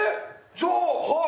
じゃあはい！